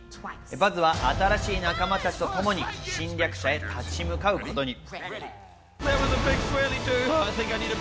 バズは新しい仲間たちとともに侵略者に立ち向かうことに。